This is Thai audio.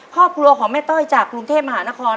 ครอบครัวของแม่ต้อยจากกรุงเทพมหานคร